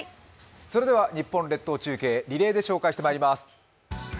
それではニッポン列島中継、リレーで紹介してまいります。